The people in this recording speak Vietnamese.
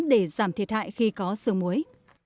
để giảm thiệt hại khi có sương muối